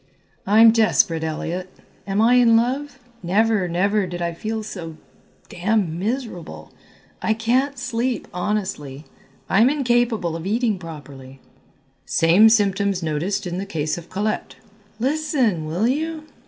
"I'm desperate, Elliott. Am I in love? Never, never did I feel so d n miserable. I can't sleep; honestly, I'm incapable of eating properly." "Same symptoms noticed in the case of Colette." "Listen, will you?"